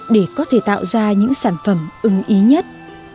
để có thể tạo ra những sản phẩm ưng ý nhất